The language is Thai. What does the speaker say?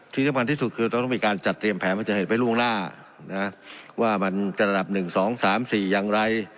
ที่สำคัญที่สุดคือเราต้องมีการจัดเตรียมแผนว่าจะเห็นไปล่วงหน้านะว่ามันจะระดับ๑๒๓๔อย่างไร